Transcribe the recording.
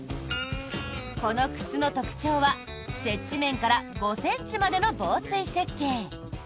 この靴の特徴は接地面から５ｃｍまでの防水設計。